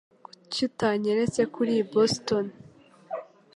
Kuki utanyeretse ko uri i Boston?